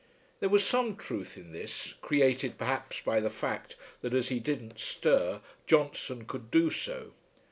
There was some truth in this, created perhaps by the fact that as he didn't stir, Johnstone could do so.